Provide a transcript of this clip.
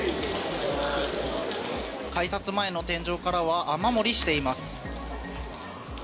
改札前の天井からは、雨漏りしています。